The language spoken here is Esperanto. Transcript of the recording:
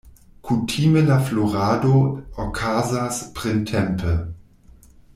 Kutime la florado okazas printempe.